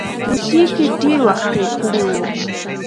روسیې کې ډېر وخت تېر کړی وو.